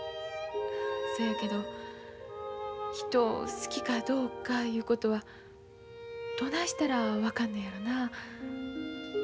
そやけど人を好きかどうかいうことはどないしたら分かんのやろな。